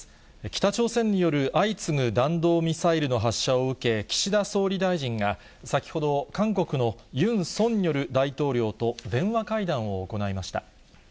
北朝鮮による相次ぐ弾道ミサイルの発射を受け、岸田総理大臣が先ほど、韓国のユン・ソンニョル大統領と電話会談を行いました。